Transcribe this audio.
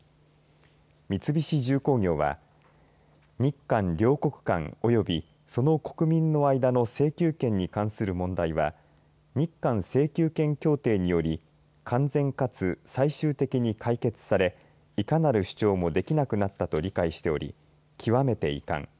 三菱重工業は日韓両国間およびその国民の間の請求権に関する問題は日韓請求権協定により完全かつ最終的に解決されいかなる主張もできなくなったと理解しており極めて遺憾。